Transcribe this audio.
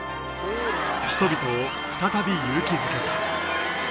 人々を再び勇気づけた。